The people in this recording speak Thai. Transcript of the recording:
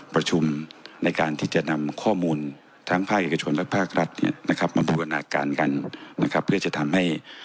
ประชุมในการที่จะนำข้อมูลทั้งภาคเอกชนและภาครัฐเนี่ยนะครับมาบูรณาการกันนะครับเพื่อจะทำให้